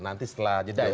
nanti setelah jeda ya